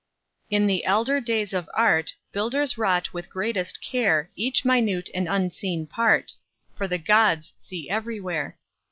JOHN WAUGH In the elder days of Art, Builders wrought with greatest care Each minute and unseen part; For the Gods see everywhere.